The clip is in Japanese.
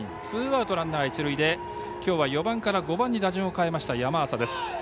ツーアウトランナー、一塁できょうは４番から５番に打順を変えました、山浅。